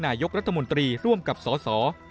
นายกรัฐมนตรีร่วมกับสส